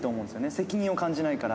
責任を感じないから。